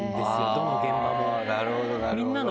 どの現場も。